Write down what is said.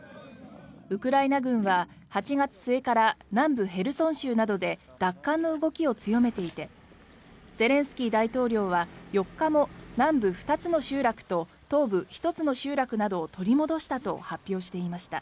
ウクライナ軍は８月末から南部ヘルソン州などで奪還の動きを強めていてゼレンスキー大統領は４日にも南部２つの集落と東部１つの集落などを取り戻したと発表していました。